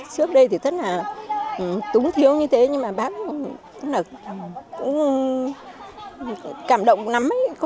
trước đây thì rất là túng thiếu như thế nhưng mà bác cũng cảm động lắm ấy